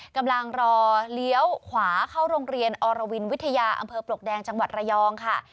กำลังรอเลี้ยวขวาเข้าโรงเรียนอรวินวิทยาอำเภอปลวกแดงจังหวัดระยองค่ะ